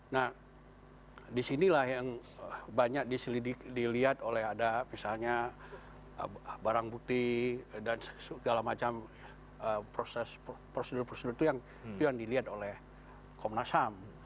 nah disinilah yang banyak diselidiki dilihat oleh ada misalnya barang bukti dan segala macam prosedur prosedur itu yang dilihat oleh komnas ham